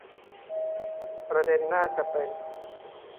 ประเด็นน่าจะเป็น